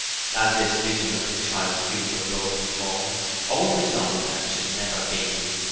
As this vision of the child's future rose before him, Owen resolved that it should never be!